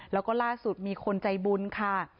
แล้วก็ล่าสุดมีคนใจบุญค่ะ